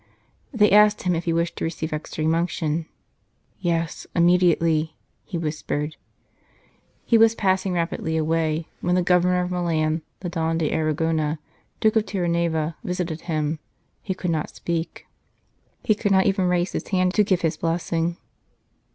They asked him if he wished to receive Extreme Unction. " Yes, immediately," he whispered. He was passing rapidly away ; when the Governor of Milan, the Don d Arragona, Duke of Tierranueva, visited him, he could not speak ; he could not even raise his hand to give his blessing.